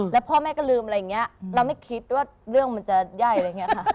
แล้วพ่อแม่ก็ลืมอะไรอย่างนี้เราไม่คิดว่าเรื่องมันจะแย่อะไรอย่างนี้ค่ะ